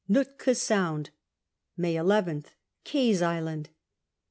Nootka Sound. May nth. Kaye^s Island.